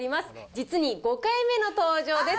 実に５回目の登場です。